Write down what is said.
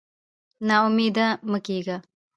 نا امېد مه کېږه.